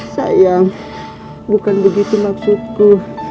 sayang bukan begitu maksudku